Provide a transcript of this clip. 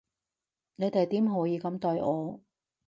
你哋點可以噉對我？